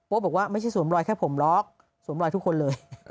บอกว่าไม่ใช่สวมรอยแค่ผมล็อกสวมรอยทุกคนเลย